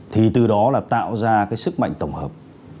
thì từ đó là tạo ra cái sức mạnh tổng hợp